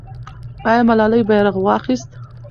آیا ملالۍ بیرغ واخیست؟